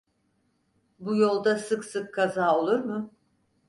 Bu yolda sık sık kaza olur mu?